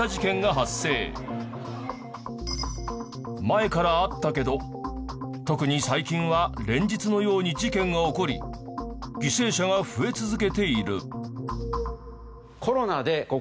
前からあったけど特に最近は連日のように事件が起こり犠牲者が増え続けている。